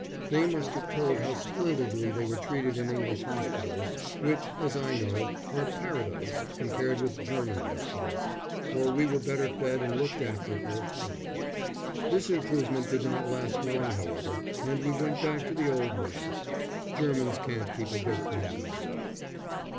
They must have told how splendidly they were treated in English hospitals which, as I know, are paradise compared with German hospitals for we were better fed and looked after for a time. This improvement did not last long, however, and we went back to the old ways. Germans can't keep a good thing going.